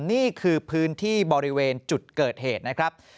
นี่คือพื้นที่บริเวณจุดเกิดเหตุนะครับ